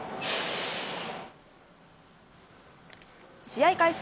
試合開始